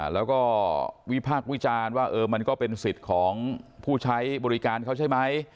แล้วก็วิพากษ์วิจารณ์ว่ามันก็เป็นสิทธิ์ของผู้ใช้บริการเขาใช่ไหม